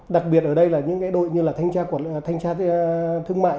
đặc biệt ở đây là những cái đội như là thanh tra thương mại